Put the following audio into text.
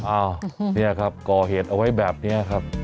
อ้าวนี่ครับก่อเหตุเอาไว้แบบนี้ครับ